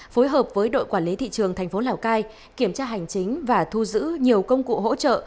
phối hợp với đội quản lý thị trường thành phố lào cai kiểm tra hành chính và thu giữ nhiều công cụ hỗ trợ